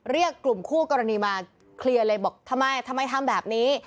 เรียกกลุ่มคู่กรณีมาเคลียร์เลยบอกทำไมทำไมทำแบบนี้